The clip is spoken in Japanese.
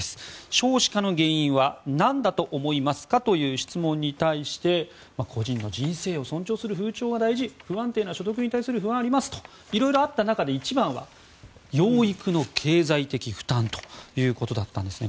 少子化の原因は何だと思いますかという質問に対して個人の人生を尊重する風潮は大事不安定な所得に対する不安がありますといろいろあった中で１番は養育の経済的負担ということだったんですね。